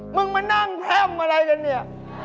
มึงมานั่งแท่มอะไรกันเนี่ย